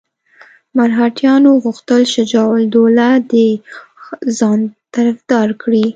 مرهټیانو غوښتل شجاع الدوله د ځان طرفدار کړي.